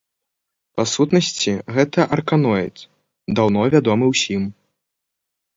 Па сутнасці гэта арканоід, даўно вядомы ўсім.